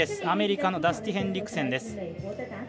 アメリカのダスティー・ヘンリクセンです。